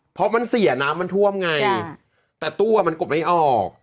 เพราะมันเสียน้ำมันท่วมไงแต่ตู้อ่ะมันกดไม่ออก